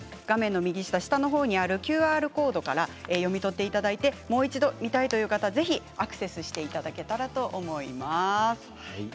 下の方にあるＱＲコードから読み取っていただいてもう一度見たいという方ぜひアクセスしていただけたらと思います。